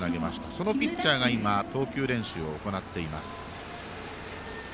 そのピッチャーが今投球練習を行っています。